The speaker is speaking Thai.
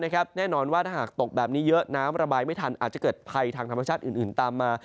แน่นอนว่าถ้าหากตกแบบนี้เยอะน้ำระบายไม่ทันอาจจะเกิดภัยทางธรรมชาติอื่นตามมา